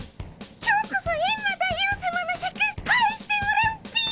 今日こそエンマ大王さまのシャク返してもらうっピィ！